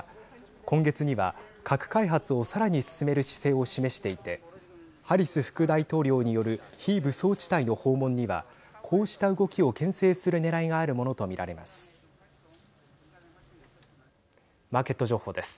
今月には核開発をさらに進める姿勢を示していてハリス副大統領による非武装地帯の訪問にはこうした動きをけん制するねらいがあるものと見られます。